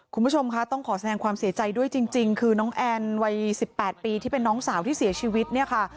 คุณผู้ชมคะต้องขอแสดงความเสียใจด้วยจริงคือน้องแอนวัย๑๘ปีที่เป็นน้องสาวที่เสียชีวิตเนี่ยค่ะ